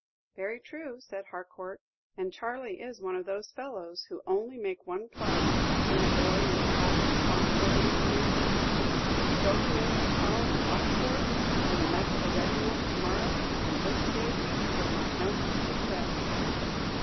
"Very true," said Harcourt; "and Charley is one of those fellows who only make one plunge from the boy into all the responsibilities of manhood. Throw him into a college at Oxford, or the mess of a regiment to morrow, and this day week you'll not know him from the rest."